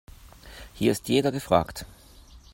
Hier ist jeder gefragt.